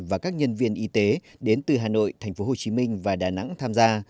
và các nhân viên y tế đến từ hà nội tp hcm và đà nẵng tham gia